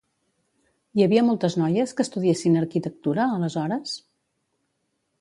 Hi havia moltes noies que estudiessin arquitectura, aleshores?